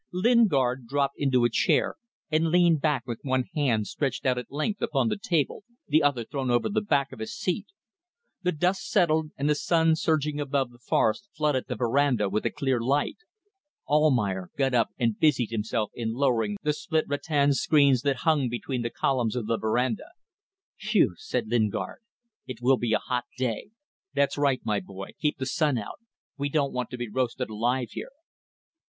Lingard dropped into a chair, and leaned back with one hand stretched out at length upon the table, the other thrown over the back of his seat. The dust settled, and the sun surging above the forest flooded the verandah with a clear light. Almayer got up and busied himself in lowering the split rattan screens that hung between the columns of the verandah. "Phew!" said Lingard, "it will be a hot day. That's right, my boy. Keep the sun out. We don't want to be roasted alive here."